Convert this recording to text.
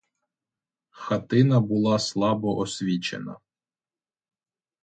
Хатина була слабо освічена.